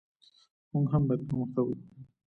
موږ هم باید پرمختګ وکړو.